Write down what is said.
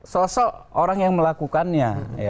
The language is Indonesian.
sosok orang yang melakukannya